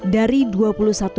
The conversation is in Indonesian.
dari dua puluh satu